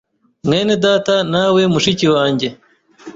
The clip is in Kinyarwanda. Mwenedata nawe Mushikiwanjye